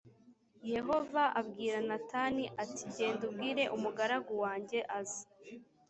yehova abwira natani ati genda ubwire umugaragu wanjye aze.